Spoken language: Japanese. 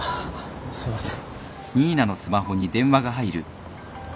すみません。